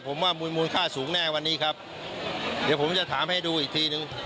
ผมว่ามูลค่าสูงแน่วันนี้ครับเดี๋ยวผมจะถามให้ดูอีกทีนึง